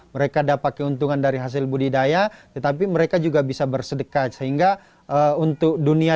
mereka dapat keuntungan dari hasil budidaya tetapi mereka juga bisa bersedekah sehingga untuk dunia